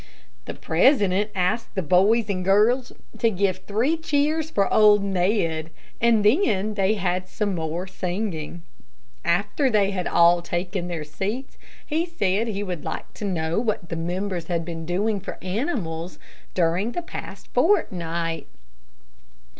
The president asked the boys and girls to give three cheers for old Ned, and then they had some more singing. After all had taken their seats, he said he would like to know what the members had been doing for animals during the past fortnight.